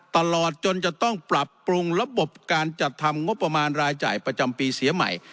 ตลอดจนจะต้องปรับปรุงระบบการจัดทำงบประมาณรายจ่ายประจำปีเสียใหม่